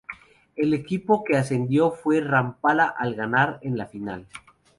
El equipo que ascendió fue Rampla al ganar en la final.